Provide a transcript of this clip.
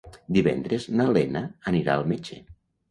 Divendres na Lena anirà al metge.